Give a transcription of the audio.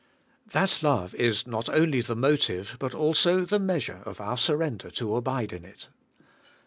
That love is not only the motive, but also the measure, of our surrender to abide in it.